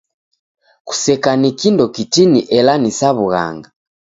Kuseka ni kindo kitini ela ni sa w'ughanga.